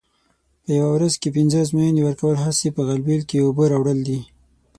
په یوه ورځ کې پینځه ازموینې ورکول هسې په غلبېل کې اوبه راوړل دي.